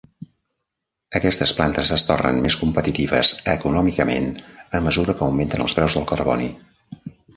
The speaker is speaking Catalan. Aquestes plantes es tornen més competitives econòmicament a mesura que augmenten els preus del carboni.